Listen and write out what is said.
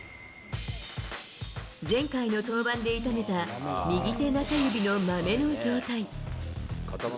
前回の登板で痛めた右手中指のまめの状態。